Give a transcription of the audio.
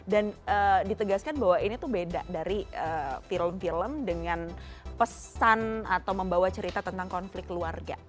dan ditegaskan bahwa ini tuh beda dari film film dengan pesan atau membawa cerita tentang konflik keluarga